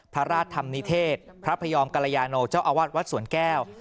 พระราชธรรมนิเทศพระพยอมกรยาโนเจ้าอาวาสวัดสวนแก้ว